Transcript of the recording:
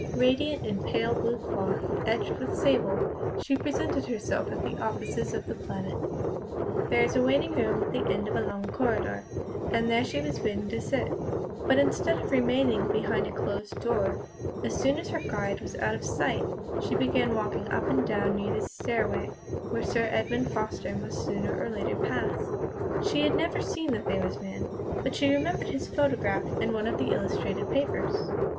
Radiant in pale blue cloth edged with sable, she presented herself at the offices of The Planet. There was a waiting room at the end of a long corridor, and there she was bidden to sit; but instead of remaining behind a closed door, as soon as her guide was out of sight she began walking up and down near the stairway where Sir Edmund Foster must sooner or later pass. She had never seen the famous man, but she remembered his photograph in one of the illustrated papers.